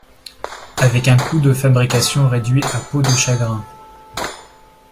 Avec un coût de fabrication réduit à peau de chagrin.